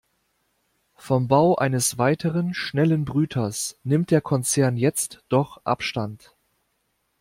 Vom Bau eines weiteren schnellen Brüters nimmt der Konzern jetzt doch Abstand.